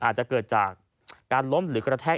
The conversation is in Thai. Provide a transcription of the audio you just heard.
อาจจะเกิดจากการล้มหรือกระแทก